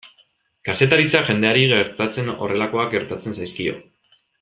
Kazetaritza jendeari gertatzen horrelakoak gertatzen zaizkio.